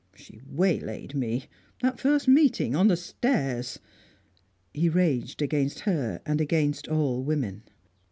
She waylaid me. That first meeting on the stairs " He raged against her and against all women.